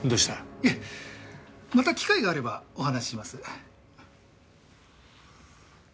いえまた機会があればお話しします。